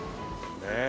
ねえ。